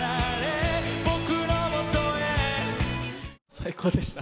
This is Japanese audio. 最高でした。